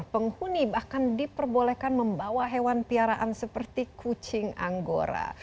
penghuni bahkan diperbolehkan membawa hewan piaraan seperti kucing anggora